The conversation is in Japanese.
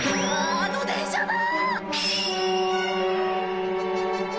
あの電車だ！